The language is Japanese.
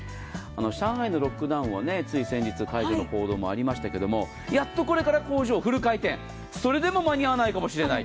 上海のロックダウンはつい先日、解除の報道がありましたがやっとこれから工場フル回転、それでも間に合わないかもしれない。